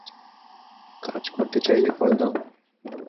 কাজ করতে চাইলে কল দাও।